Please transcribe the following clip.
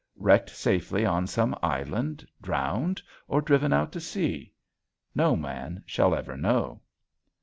Wrecked safely on some island, drowned, or driven out to sea? No man shall ever know.